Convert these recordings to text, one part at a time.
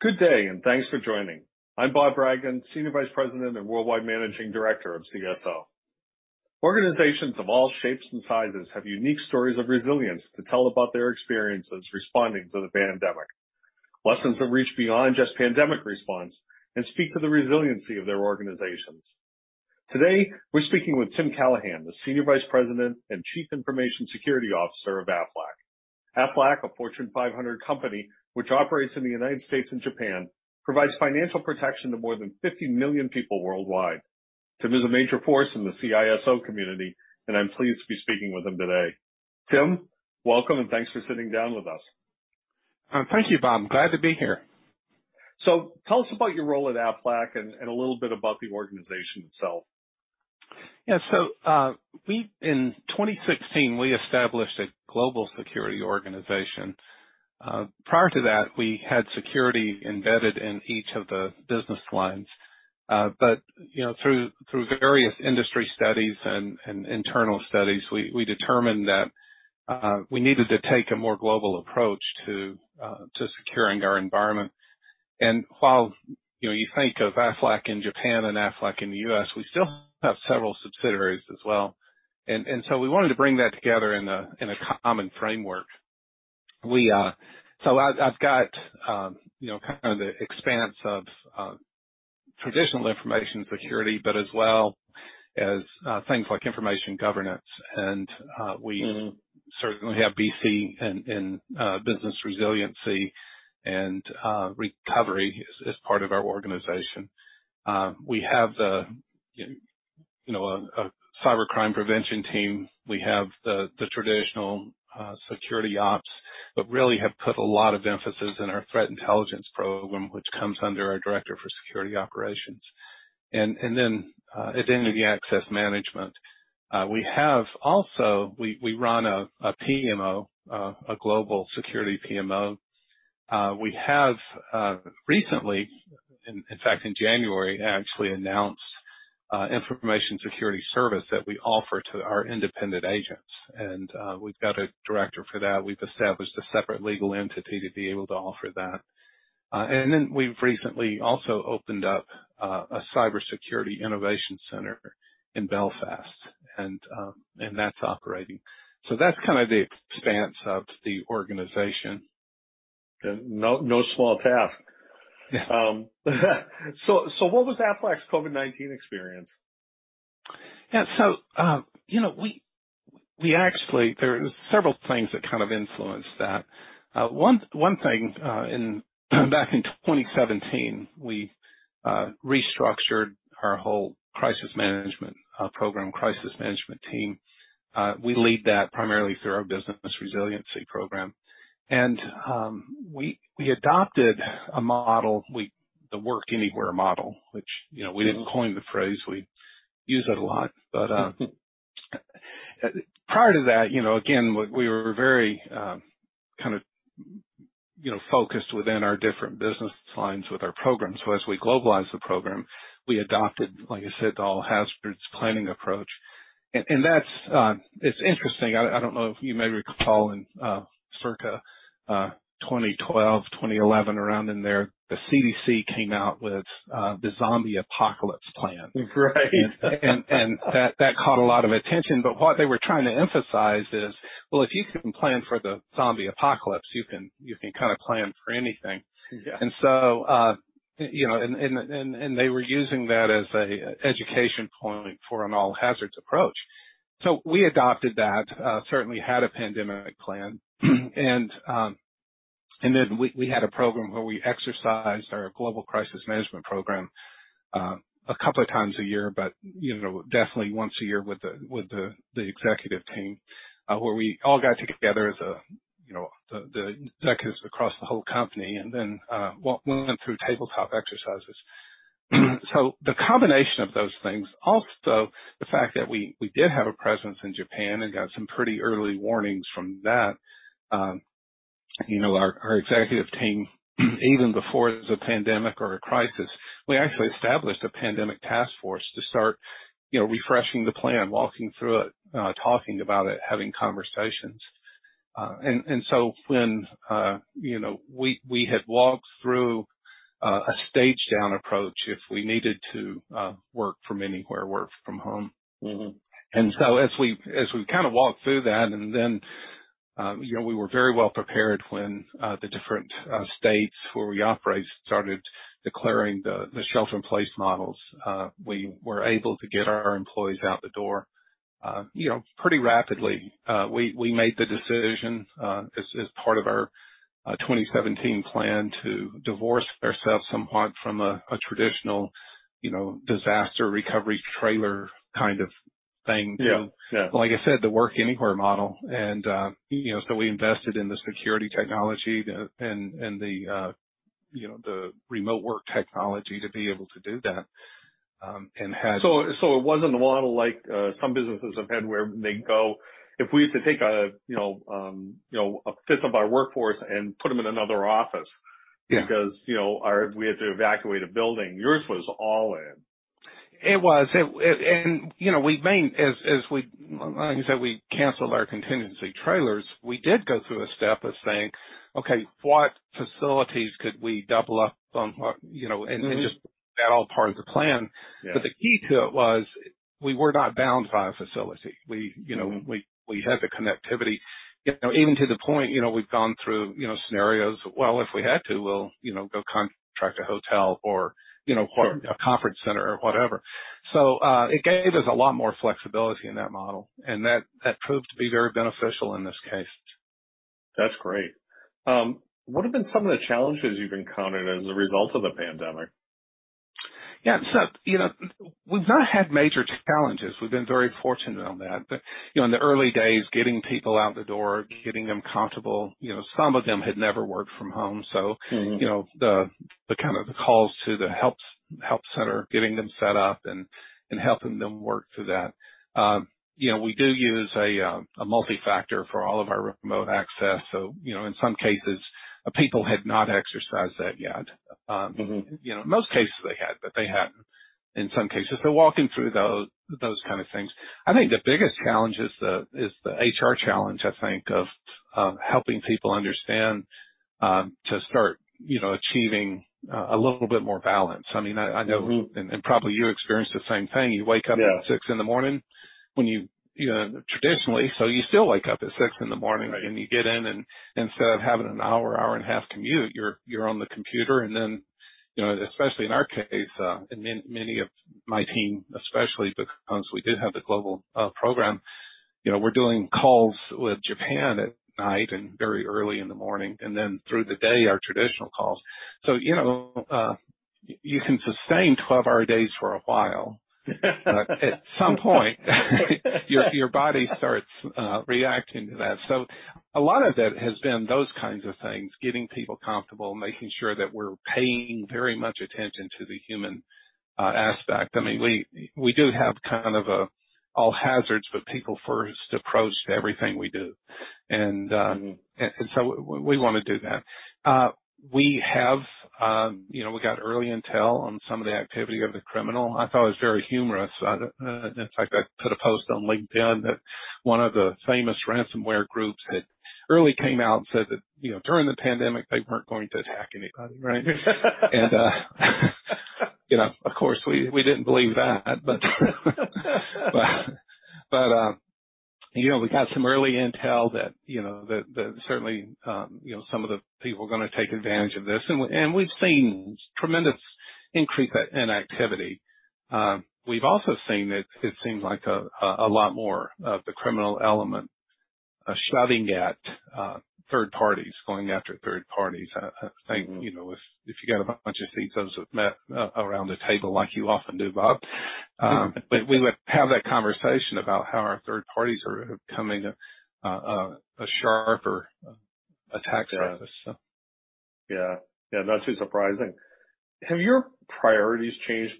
Good day, and thanks for joining. I'm Bob Bragan, Senior Vice President and Worldwide Managing Director of CSO. Organizations of all shapes and sizes have unique stories of resilience to tell about their experiences responding to the pandemic. Lessons have reached beyond just pandemic response and speak to the resiliency of their organizations. Today, we're speaking with Tim Callahan, the Senior Vice President and Chief Information Security Officer of Aflac. Aflac, a Fortune 500 company which operates in the U.S. and Japan, provides financial protection to more than 50 million people worldwide. Tim is a major force in the CISO community, and I'm pleased to be speaking with him today. Tim, welcome, and thanks for sitting down with us. Thank you, Bob. Glad to be here. Tell us about your role at Aflac and a little bit about the organization itself. In 2016, we established a global security organization. Prior to that, we had security embedded in each of the business lines. Through various industry studies and internal studies, we determined that we needed to take a more global approach to securing our environment. While you think of Aflac in Japan and Aflac in the U.S., we still have several subsidiaries as well. We wanted to bring that together in a common framework. I've got kind of the expanse of traditional information security, but as well as things like information governance. We certainly have BC and business resiliency and recovery as part of our organization. We have a cybercrime prevention team. We have the traditional security ops, but really have put a lot of emphasis in our threat intelligence program, which comes under our director for security operations, and then identity access management. We have also run a PMO, a global security PMO. We have recently, in fact, in January, actually announced an information security service that we offer to our independent agents. We've got a director for that. We've established a separate legal entity to be able to offer that. We've recently also opened up a cybersecurity innovation center in Belfast, and that's operating. That's kind of the expanse of the organization. No small task. Yeah. What was Aflac's COVID-19 experience? Yeah. There was several things that kind of influenced that. One thing, back in 2017, we restructured our whole crisis management program, crisis management team. We lead that primarily through our business resiliency program. We adopted a model, the Work Anywhere model, which we didn't coin the phrase, we use it a lot. Prior to that, again, we were very kind of focused within our different business lines with our program. As we globalized the program, we adopted, like I said, the all-hazards planning approach. It's interesting. I don't know if you maybe recall in circa 2012, 2011, around in there, the CDC came out with the zombie apocalypse plan. Right. That caught a lot of attention. What they were trying to emphasize is, well, if you can plan for the zombie apocalypse, you can kind of plan for anything. Yeah. They were using that as an education point for an all-hazards approach. We adopted that, certainly had a pandemic plan. We had a program where we exercised our global crisis management program, a couple of times a year, but definitely once a year with the executive team, where we all got together as the executives across the whole company and then went through tabletop exercises. The combination of those things, also the fact that we did have a presence in Japan and got some pretty early warnings from that. Our executive team, even before it was a pandemic or a crisis, we actually established a pandemic task force to start refreshing the plan, walking through it, talking about it, having conversations. When we had walked through a stage-down approach, if we needed to Work Anywhere, work from home. As we kind of walked through that, we were very well prepared when the different states where we operate started declaring the shelter-in-place models. We were able to get our employees out the door pretty rapidly. We made the decision, as part of our 2017 plan, to divorce ourselves somewhat from a traditional disaster recovery trailer kind of thing too. Yeah. Like I said, the Work Anywhere model. We invested in the security technology and the remote work technology to be able to do that. It wasn't a model like some businesses have had where they go, "If we had to take a fifth of our workforce and put them in another office because we had to evacuate a building." Yours was all in. It was. As we canceled our contingency trailers, we did go through a step of saying, "Okay, what facilities could we double up on?" Just that all part of the plan. Yeah. The key to it was we were not bound by a facility. We had the connectivity, even to the point we've gone through scenarios. Well, if we had to, we'll go contract a hotel or- Sure a conference center or whatever. It gave us a lot more flexibility in that model, and that proved to be very beneficial in this case. That's great. What have been some of the challenges you've encountered as a result of the pandemic? Yeah. We've not had major challenges. We've been very fortunate on that. In the early days, getting people out the door, getting them comfortable. Some of them had never worked from home. The kind of the calls to the help center, getting them set up and helping them work through that. We do use a multi-factor for all of our remote access. In some cases, people had not exercised that yet. Most cases they had, they hadn't in some cases. Walking through those kind of things. I think the biggest challenge is the HR challenge, I think of helping people understand, to start achieving a little bit more balance. probably you experienced the same thing. Yeah at 6:00 in the morning you still wake up at 6:00 in the morning. Right. You get in, instead of having an hour and a half commute, you're on the computer, then especially in our case, many of my team especially because we do have the global program, we're doing calls with Japan at night very early in the morning, then through the day, our traditional calls. You can sustain 12-hour days for a while. At some point, your body starts reacting to that. A lot of that has been those kinds of things, getting people comfortable, making sure that we're paying very much attention to the human aspect. We do have kind of a all-hazards but people first approach to everything we do. We want to do that. We got early intel on some of the activity of the criminal. I thought it was very humorous. In fact, I put a post on LinkedIn that one of the famous ransomware groups had early came out said that, during the pandemic, they weren't going to attack anybody. Right? Of course, we didn't believe that, we got some early intel that certainly some of the people are going to take advantage of this. We've seen tremendous increase in activity. We've also seen that it seems like a lot more of the criminal element is shoving at third parties, going after third parties. I think, if you got a bunch of CISOs around a table like you often do, Bob, we would have that conversation about how our third parties are becoming a sharper attack surface. Yeah. Not too surprising. Have your priorities changed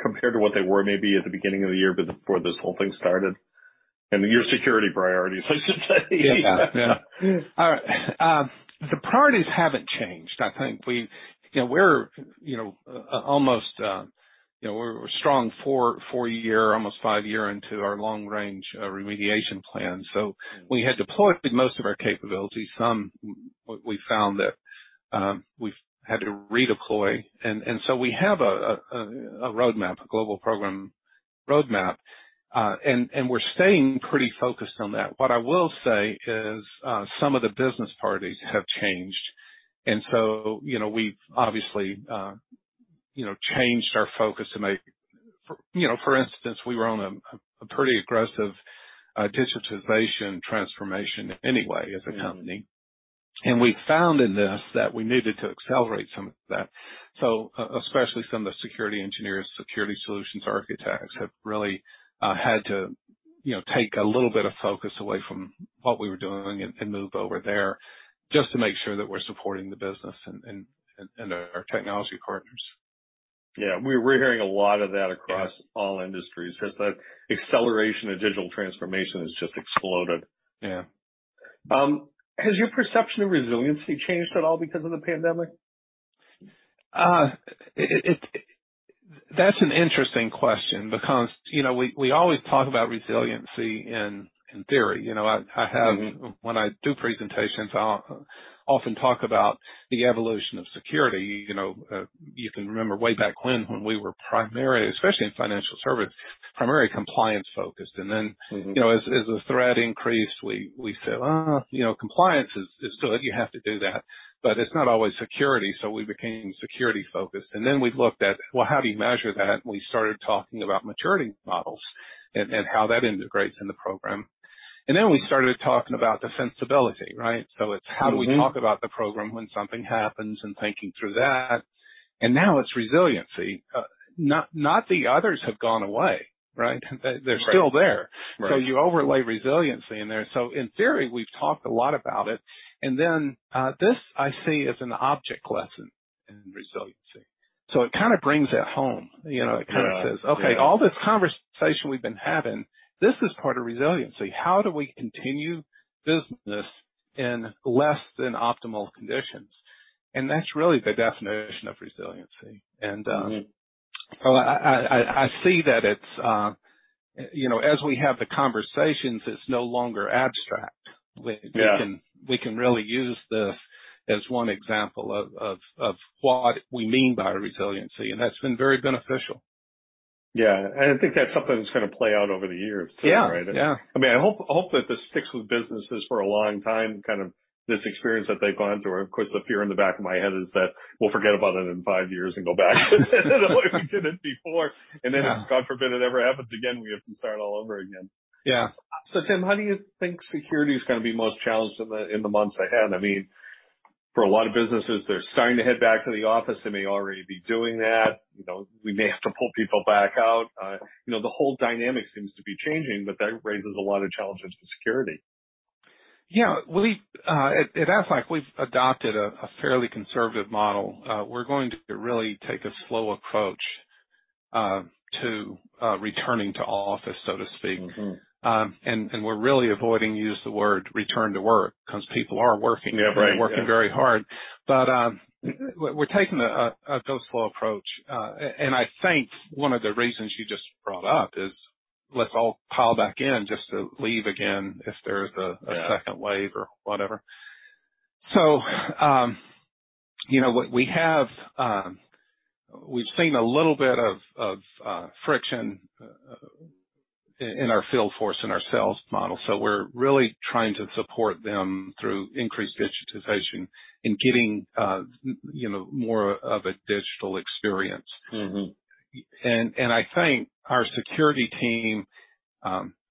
compared to what they were maybe at the beginning of the year before this whole thing started? Your security priorities, I should say. Yeah. The priorities haven't changed. We're a strong 4-year, almost 5-year into our long-range remediation plan. We had deployed most of our capabilities. Some we found that we've had to redeploy. We have a roadmap, a global program roadmap, and we're staying pretty focused on that. What I will say is some of the business priorities have changed, and so we've obviously changed our focus. For instance, we were on a pretty aggressive digitization transformation anyway as a company. We found in this that we needed to accelerate some of that. Especially some of the security engineers, security solutions architects, have really had to take a little bit of focus away from what we were doing and move over there just to make sure that we're supporting the business and our technology partners. Yeah. We're hearing a lot of that. Yeah All industries, just that acceleration of digital transformation has just exploded. Yeah. Has your perception of resiliency changed at all because of the pandemic? That's an interesting question because we always talk about resiliency in theory. When I do presentations, I'll often talk about the evolution of security. You can remember way back when we were primarily, especially in financial service, primary compliance-focused. As the threat increased, we said, "Compliance is good. You have to do that, but it's not always security." We became security-focused. We looked at, well, how do you measure that? We started talking about maturity models and how that integrates in the program. We started talking about defensibility, right? It's. do we talk about the program when something happens and thinking through that. Now it's resiliency. Not the others have gone away, right? They're still there. Right. You overlay resiliency in there. In theory, we've talked a lot about it. Then, this I see as an object lesson in resiliency. It kind of brings that home. Yeah. It kind of says, okay, all this conversation we've been having, this is part of resiliency. How do we continue business in less than optimal conditions? That's really the definition of resiliency. Well, I see that as we have the conversations, it's no longer abstract. Yeah. We can really use this as one example of what we mean by resiliency, and that's been very beneficial. Yeah. I think that's something that's going to play out over the years, too, right? Yeah. I hope that this sticks with businesses for a long time, this experience that they've gone through. Of course, the fear in the back of my head is that we'll forget about it in five years and go back to the way we did it before. God forbid, it ever happens again, we have to start all over again. Yeah. Tim, how do you think security is going to be most challenged in the months ahead? For a lot of businesses, they're starting to head back to the office. They may already be doing that. We may have to pull people back out. The whole dynamic seems to be changing, that raises a lot of challenges for security. Yeah. At Aflac, we've adopted a fairly conservative model. We're going to really take a slow approach to returning to office, so to speak. We're really avoiding use the word return to work because people are working. Yeah, right. Working very hard. We're taking a go slow approach. I think one of the reasons you just brought up is, let's all pile back in just to leave again if there's a second- Yeah wave or whatever. We've seen a little bit of friction in our field force, in our sales model. We're really trying to support them through increased digitization and getting more of a digital experience. I think our security team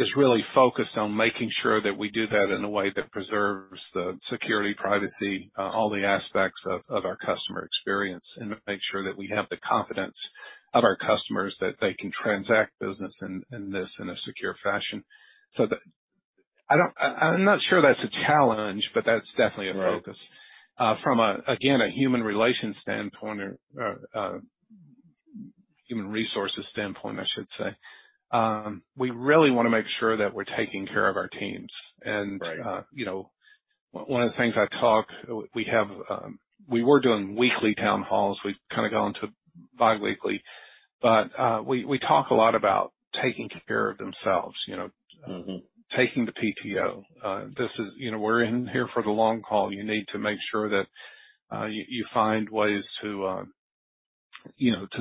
is really focused on making sure that we do that in a way that preserves the security, privacy, all the aspects of our customer experience, and make sure that we have the confidence of our customers that they can transact business in this in a secure fashion. I'm not sure that's a challenge, but that's definitely a focus. Right. From, again, a human resources standpoint, we really want to make sure that we're taking care of our teams. Right. one of the things I talk, we were doing weekly town halls. We've gone to biweekly. We talk a lot about taking care of themselves. Taking the PTO. We're in here for the long call. You need to make sure that you find ways to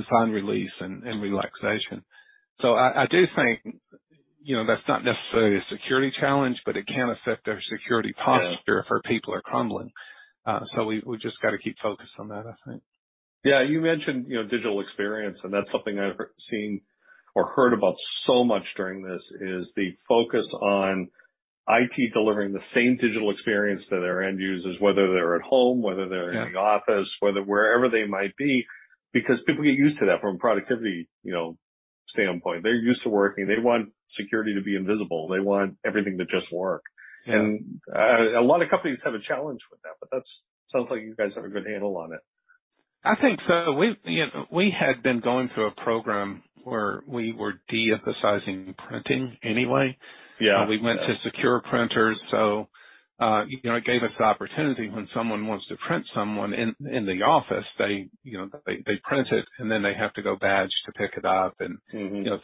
find release and relaxation. I do think, that's not necessarily a security challenge, but it can affect our security posture. Yeah if our people are crumbling. We just got to keep focused on that, I think. Yeah, you mentioned, digital experience, that's something I've seen or heard about so much during this, is the focus on IT delivering the same digital experience to their end users, whether they're at home, whether they're. Yeah in the office, wherever they might be, because people get used to that from a productivity standpoint. They're used to working. They want security to be invisible. They want everything to just work. Yeah. A lot of companies have a challenge with that, but that's sounds like you guys have a good handle on it. I think so. We had been going through a program where we were de-emphasizing printing anyway. Yeah. We went to secure printers. It gave us the opportunity when someone wants to print, someone in the office, they print it, then they have to go badge to pick it up.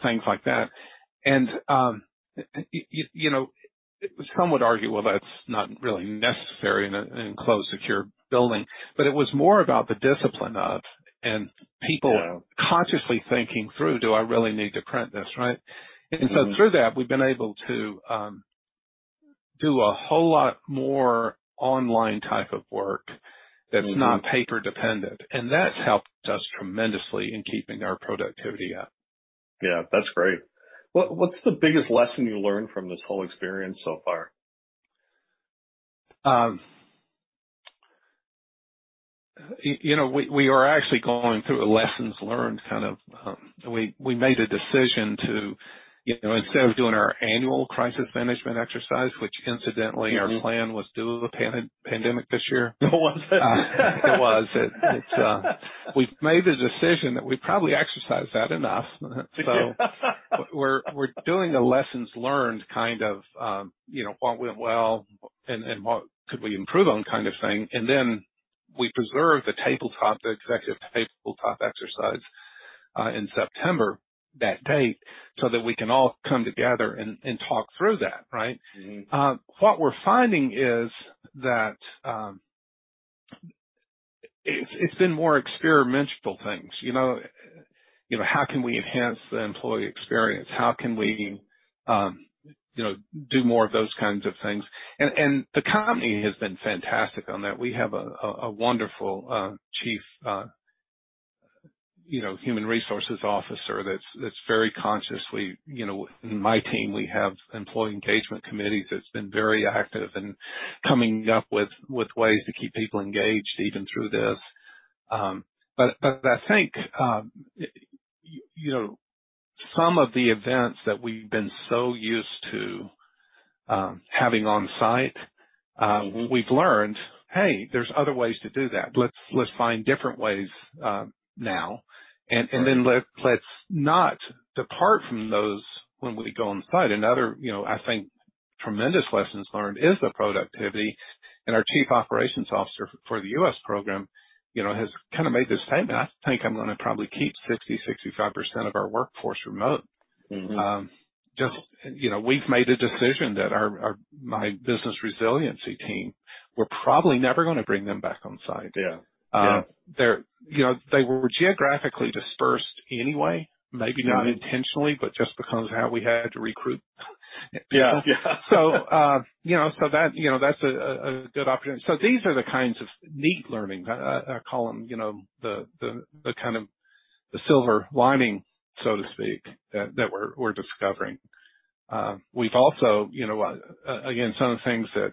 things like that. Some would argue, well, that's not really necessary in an enclosed, secure building. It was more about the discipline of. Yeah Consciously thinking through, do I really need to print this, right? Through that, we've been able to do a whole lot more online type of work that's not paper-dependent. That's helped us tremendously in keeping our productivity up. Yeah. That's great. What's the biggest lesson you learned from this whole experience so far? We are actually going through a lessons learned. We made a decision to, instead of doing our annual crisis management exercise, which incidentally, our plan was due a pandemic this year. Oh, was it? It was. We've made the decision that we probably exercised that enough. We're doing a lessons learned, what went well and what could we improve on kind of thing. Then we preserve the executive tabletop exercise in September, that date, so that we can all come together and talk through that, right? What we're finding is that it's been more experimental things. How can we enhance the employee experience? How can we do more of those kinds of things? The company has been fantastic on that. We have a wonderful Chief Human Resources Officer that's very conscious. In my team, we have employee engagement committees that's been very active in coming up with ways to keep people engaged even through this. I think, some of the events that we've been so used to having on-site. we've learned, hey, there's other ways to do that. Let's find different ways now. Right. Let's not depart from those when we go on-site. Another, I think tremendous lessons learned is the productivity. Our Chief Operations Officer for the U.S. program has kind of made this statement, "I think I'm going to probably keep 60, 65% of our workforce remote. We've made a decision that my business resiliency team, we're probably never going to bring them back on site. Yeah. They were geographically dispersed anyway. Maybe not intentionally, but just because how we had to recruit people. Yeah. That's a good opportunity. These are the kinds of neat learnings. I call them the kind of the silver lining, so to speak, that we're discovering. We've also, again, some of the things that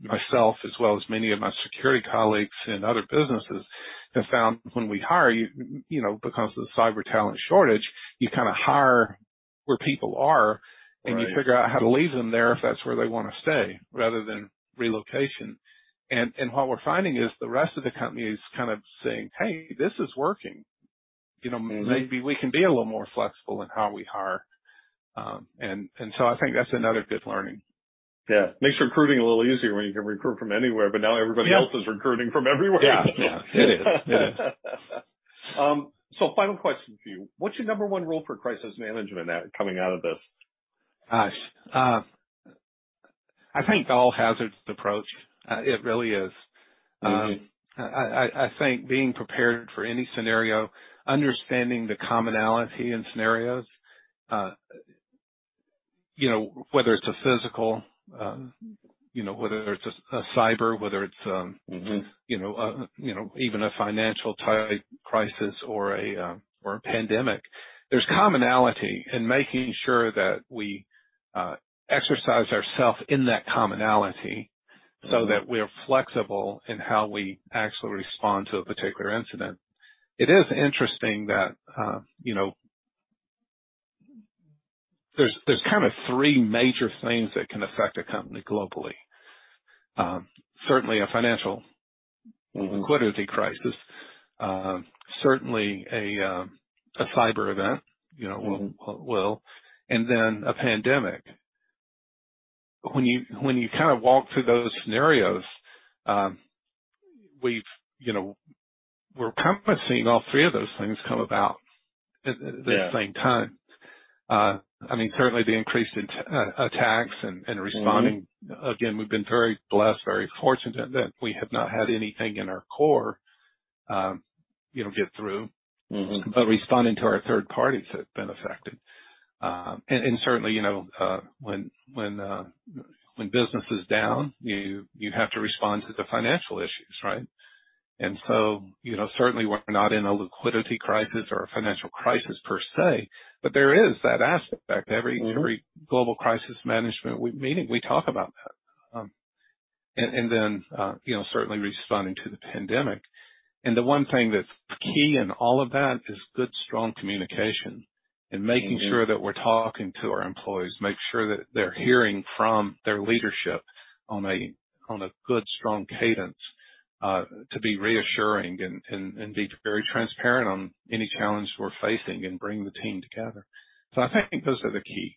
myself, as well as many of my security colleagues in other businesses, have found when we hire, because of the cyber talent shortage, you kind of hire where people are- Right You figure out how to leave them there if that's where they want to stay, rather than relocation. What we're finding is the rest of the company is kind of saying, "Hey, this is working. Maybe we can be a little more flexible in how we hire." I think that's another good learning. Yeah. Makes recruiting a little easier when you can recruit from anywhere, but now everybody else- Yep is recruiting from everywhere. Yeah. It is. Final question for you. What's your number one rule for crisis management coming out of this? Gosh. I think all-hazards approach. It really is. I think being prepared for any scenario, understanding the commonality in scenarios, whether it's a physical, whether it's a cyber. even a financial crisis or a pandemic. There's commonality in making sure that we exercise ourself in that commonality so that we're flexible in how we actually respond to a particular incident. It is interesting that there's kind of three major things that can affect a company globally. Certainly, a financial- liquidity crisis, certainly a cyber event- will, and then a pandemic. When you kind of walk through those scenarios, we're encompassing all three of those things come about at the same time. Yeah. Certainly the increase in attacks and responding. We've been very blessed, very fortunate that we have not had anything in our core get through. Responding to our third parties that have been affected. Certainly, when business is down, you have to respond to the financial issues, right? Certainly we're not in a liquidity crisis or a financial crisis per se, but there is that aspect. Every- global crisis management meeting, we talk about that. Certainly responding to the pandemic. The one thing that's key in all of that is good, strong communication and making sure that we're talking to our employees, make sure that they're hearing from their leadership on a good, strong cadence, to be reassuring and be very transparent on any challenge we're facing and bring the team together. I think those are the key.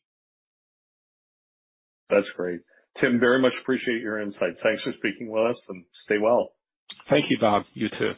That's great. Tim, very much appreciate your insights. Thanks for speaking with us, and stay well. Thank you, Bob. You too.